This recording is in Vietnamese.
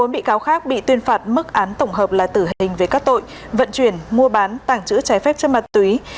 một mươi bị cáo khác bị tuyên phạt mức án tổng hợp là tử hình về các tội vận chuyển mua bán tàng trữ trái phép chất ma túy